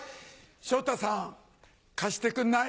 昇太さん貸してくんない？